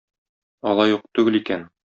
Алай ук түгел икән.